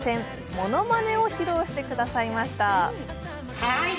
ものまねを披露してくれました